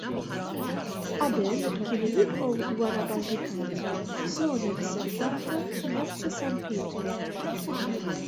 Qabel, kienu jibqgħu wara barrikati f'żona riservata fi Pjazza San Pietru.